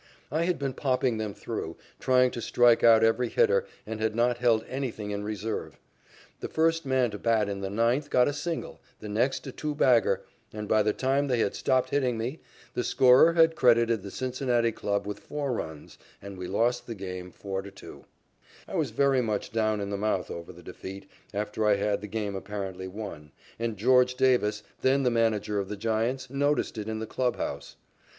I had been popping them through, trying to strike out every hitter and had not held anything in reserve. The first man to the bat in the ninth got a single, the next a two bagger, and by the time they had stopped hitting me, the scorer had credited the Cincinnati club with four runs, and we lost the game, 4 to 2. I was very much down in the mouth over the defeat, after I had the game apparently won, and George Davis, then the manager of the Giants, noticed it in the clubhouse.